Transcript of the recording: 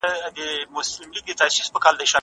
د لاس لیکنه د ښکلا پیژندنې حس پیاوړی کوي.